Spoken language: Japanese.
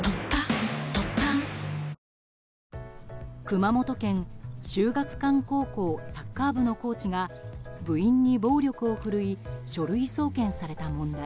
熊本県秀岳館高校サッカー部のコーチが部員に暴力を振るい書類送検された問題。